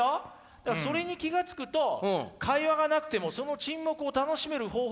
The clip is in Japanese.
だからそれに気が付くと会話がなくてもその沈黙を楽しめる方法